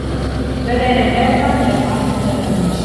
Vedere l'erba dalle parti delle radici.